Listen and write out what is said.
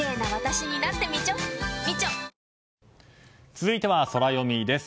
続いてはソラよみです。